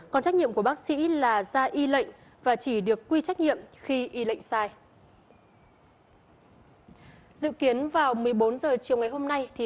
còn trách nhiệm của bác sĩ là ra y lệnh và chỉ được quy trách nhiệm khi y lệnh sai